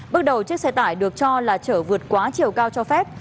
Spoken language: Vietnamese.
bước đầu chiếc xe tải được cho là chở vượt quá chiều cao cho phép